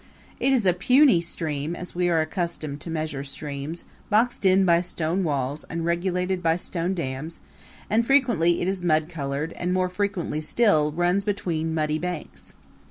It is a puny stream, as we are accustomed to measure streams, boxed in by stone walls and regulated by stone dams, and frequently it is mud colored and, more frequently still, runs between muddy banks.